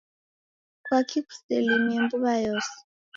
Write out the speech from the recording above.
Kwaki kuselimie mbuw'a yose?